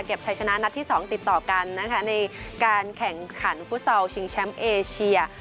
ใช้ชนะนัดที่๒ติดต่อกันนะคะในการแข่งขันฟุตซอลชิงแชมป์เอเชีย